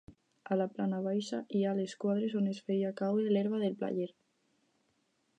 A la plana baixa hi ha les quadres on es feia caure l'herba del paller.